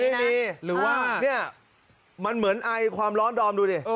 ไม่มีไม่มีหรือว่าเนี่ยมันเหมือนไอความร้อนดอมดูดิ